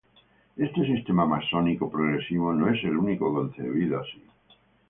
Este sistema masónico progresivo, no es el único concebido así.